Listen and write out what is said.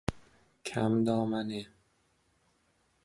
کم دامنه